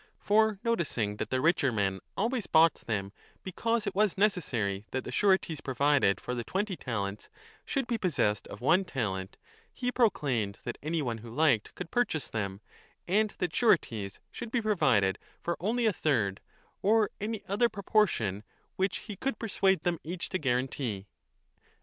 For, noticing that the richer men always bought them because it was necessary that the sureties provided 20 for the twenty talents should be possessed of one talent, he proclaimed that any one who liked could purchase them and that sureties should be provided for only a third or any other proportion which l he could persuade them each to guarantee.